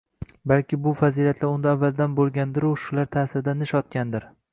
Balki bu fazilatlar unda avvaldan bo'lgandiru, shular ta'sirida nish otgandir.